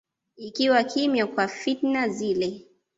ikiwa kimya kwa fitna zile